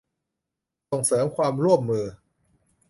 ส่งเสริมความร่วมมือ